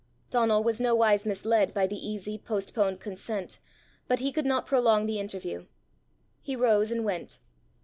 Donal was nowise misled by the easy, postponed consent, but he could not prolong the interview. He rose and went.